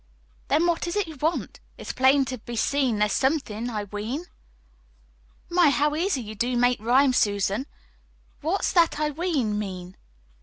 "Then what is it you want? It's plain to be seen there's something, I ween." "My, how easy you do make rhymes, Susan. What's that 'I ween' mean?"